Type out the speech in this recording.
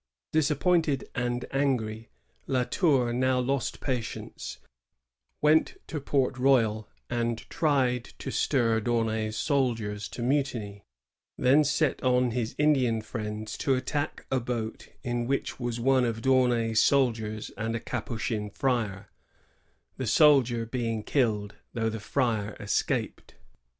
Disappointed and angry. La Tour now lost patience, went to Port Royal, and tried to stir D'Aunay's soldiers to mutiny; then set on his Indian friends to attack a boat in which was one of D'Aunay's soldiers and a Capuchin friar, — the soldier being killed, though the friar escaped.